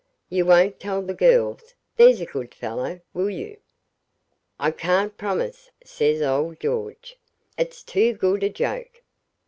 You won't tell the girls, there's a good fellow, will you?' 'I can't promise,' says old George; 'it's too good a joke.'